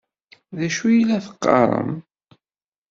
D acu i ad teqqaṛem?